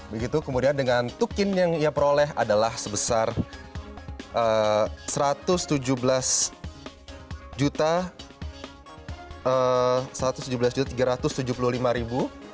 begitu kemudian dengan tukin yang ia peroleh adalah sebesar rp satu ratus tujuh belas tiga ratus tujuh puluh lima